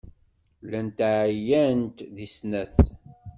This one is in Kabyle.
Llant ɛyant deg snat.